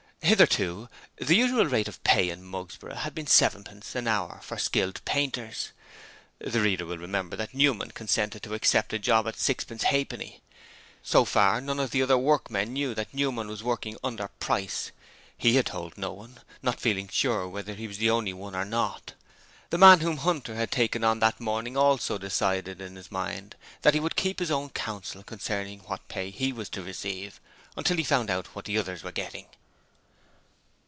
Hitherto the usual rate of pay in Mugsborough had been sevenpence an hour for skilled painters. The reader will remember that Newman consented to accept a job at sixpence halfpenny. So far none of the other workmen knew that Newman was working under price: he had told no one, not feeling sure whether he was the only one or not. The man whom Hunter had taken on that morning also decided in his mind that he would keep his own counsel concerning what pay he was to receive, until he found out what the others were getting.